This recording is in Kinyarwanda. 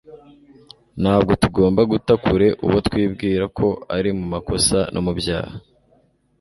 Ntabwo tugomba guta kure uwo twibwira ko ari mu makosa no mu byaha.